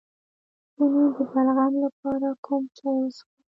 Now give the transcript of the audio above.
د ستوني د بلغم لپاره کوم چای وڅښم؟